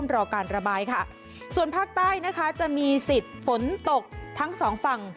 รอการระบายค่ะส่วนภาคใต้นะคะจะมีสิทธิ์ฝนตกทั้งสองฝั่ง